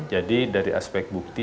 jadi dari aspek bukti